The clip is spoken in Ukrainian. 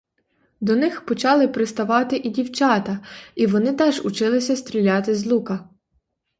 До них почали приставати і дівчата, і вони теж училися стріляти з лука.